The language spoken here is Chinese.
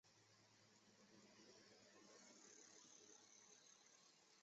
至今塔利班在阿富汗和巴基斯坦的普什图人社区里依旧拥有很强大的影响力。